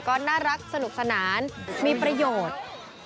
ก็น่ารักสนุกสนานมีประโยชน์